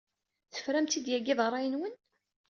Tefram-tt-id yagi ed ṛṛay-nwen?